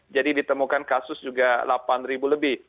jadi ditemukan kasus juga delapan ribu lebih